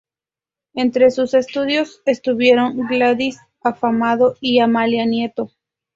Entre sus estudiantes estuvieron Gladys Afamado y Amalia Nieto.